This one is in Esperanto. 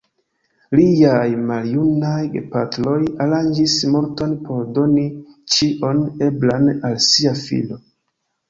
Liaj maljunaj gepatroj aranĝis multon por doni ĉion eblan al sia filo.